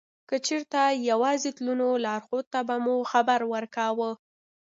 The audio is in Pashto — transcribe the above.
که چېرته یوازې تلو نو لارښود ته به مو خبر ورکاوه.